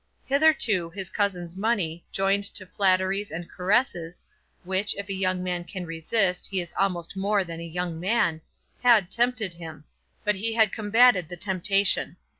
Hitherto his cousin's money, joined to flatteries and caresses, which, if a young man can resist, he is almost more than a young man, had tempted him; but he had combated the temptation.